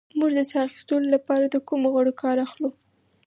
موږ د ساه اخیستلو لپاره له کومو غړو کار اخلو